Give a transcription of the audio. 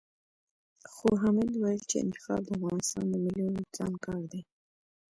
خو حامد ويل چې انتخاب د افغانستان د ملي وُجدان کار دی.